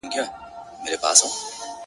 هم له جنډۍ- هم زیارتونو سره لوبي کوي-